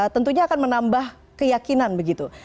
tentunya akan menambah keyakinan begitu